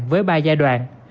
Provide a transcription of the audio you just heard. với ba giai đoạn